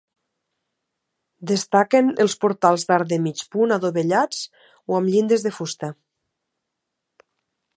Destaquen els portals d'arc de mig punt adovellats o amb llindes de fusta.